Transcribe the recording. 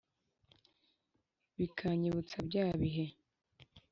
bikanyibutsa bya bihe